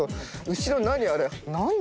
後ろ何あれ？